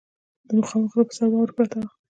د مخامخ غره پر سر واوره پرته وه.